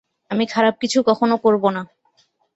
আমি খারাপ কিছু কখনো করবো না।